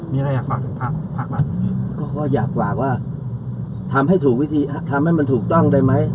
มีอะไรอยากฝากถึงภาครัฐก็อยากฝากว่าทำให้ถูกวิธีทำให้มันถูกต้องได้ไหม